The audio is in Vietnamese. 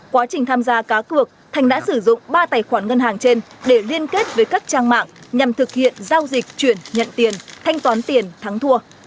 quá trình tham gia cá cược thành đã sử dụng ba tài khoản ngân hàng trên để liên kết với các trang mạng nhằm thực hiện giao dịch chuyển nhận tiền thanh toán tiền thắng thua